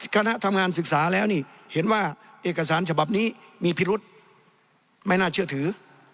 คณะทำงานศึกษาแล้วนี่เห็นว่าเอกสารฉบับนี้มีพิรุษไม่น่าเชื่อถือ